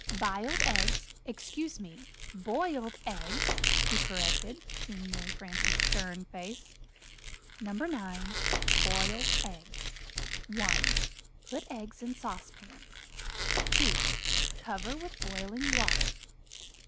"B'iled eggs excuse me! boiled eggs," he corrected, seeing Mary Frances' stern face. NO. 9. BOILED EGGS. 1. Put eggs in sauce pan. 2. Cover with boiling Water.